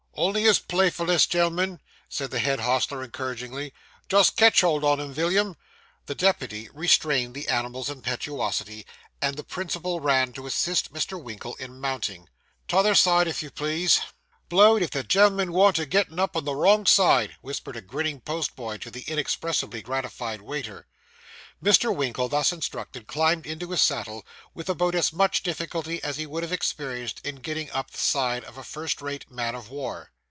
'Only his playfulness, gen'lm'n,' said the head hostler encouragingly; 'jist kitch hold on him, Villiam.' The deputy restrained the animal's impetuosity, and the principal ran to assist Mr. Winkle in mounting. 'T'other side, sir, if you please.' 'Blowed if the gen'lm'n worn't a gettin' up on the wrong side,' whispered a grinning post boy to the inexpressibly gratified waiter. Mr. Winkle, thus instructed, climbed into his saddle, with about as much difficulty as he would have experienced in getting up the side of a first rate man of war.